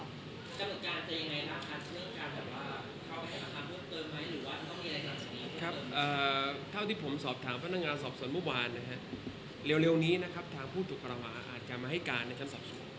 ครับเอ่อเท่าที่ผมสอบถามพรรณงานสอบส่วนเมื่อวานนะฮะเร็วเร็วนี้นะครับทางผู้ถูกกราวาอาจจะมาให้การในทำสอบส่ง